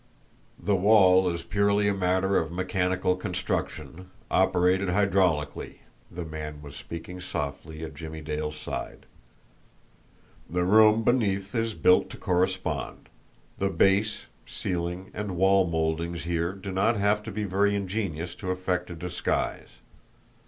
"The wall is purely a matter of mechanical construction, operated hydraulically." The man was speaking softly at Jimmie Dale's side. "The room beneath is built to correspond; the base, ceiling, and wall mouldings here do not have to be very ingenious to effect a disguise.